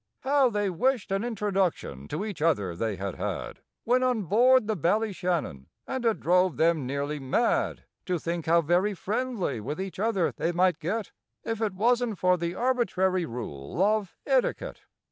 How they wished an introduction to each other they had had When on board the Ballyshannon! And it drove them nearly mad To think how very friendly with each other they might get, If it wasn't for the arbitrary rule of etiquette!